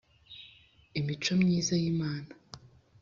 imico myiza y Inama